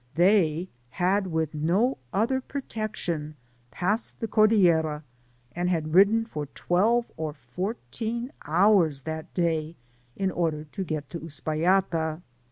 They liad, with no other protection, passed the Cordillera, and had ridden for twelve or fourteen hours that day in order to get to Uspallata.